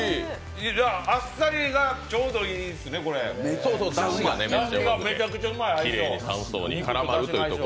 あっさりがちょうどいいんですね、だしがめちゃくちゃうまい。